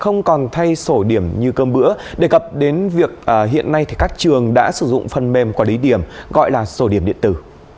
không còn thay sổ điểm như cơm bữa đề cập đến việc hiện nay thì các trường đã sử dụng phần mềm quản lý điểm gọi là sổ điểm điện tử